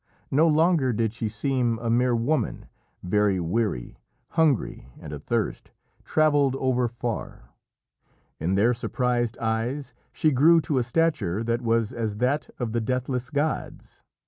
No longer did she seem a mere woman, very weary, hungry and athirst, travelled over far. In their surprised eyes she grew to a stature that was as that of the deathless gods.